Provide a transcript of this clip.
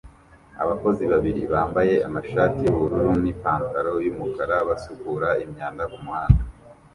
Abakozi babiri bambaye amashati yubururu ni pantaro yumukara basukura imyanda kumuhanda